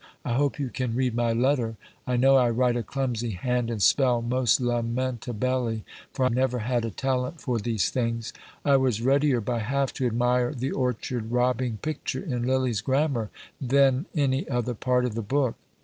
I hope you can read my letter. I know I write a clumsy hand, and spelle most lamentabelly; for I never had a tallent for these things. I was readier by half to admire the _orcherd robbing picture _in Lillie's grammar, then any other part of the book.